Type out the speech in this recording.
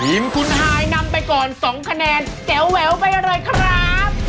ทีมคุณฮายนำไปก่อน๒คะแนนแจ๋วแหววไปเลยครับ